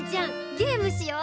ゲームしよう！